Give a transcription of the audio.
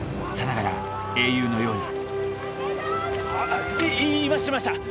さながら英雄のようにいいましたいました！